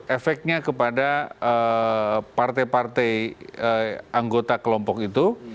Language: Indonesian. efeknya kepada partai partai anggota kelompok itu